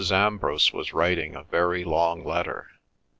Ambrose was writing a very long letter.